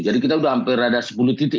jadi kita sudah hampir ada sepuluh titik